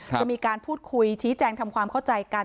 จะมีการพูดคุยชี้แจงทำความเข้าใจกัน